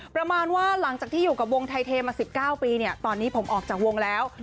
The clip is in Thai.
ประมาณว่าหลังจากที่อยู่กับวงไทเทมา๑๙ปีเนี่ยตอนนี้ผมออกจากวงแล้ว